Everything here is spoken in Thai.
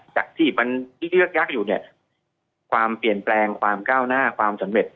จากที่ยักษ์อยู่ความเปลี่ยนแปลงความก้าวหน้าความสำเร็จ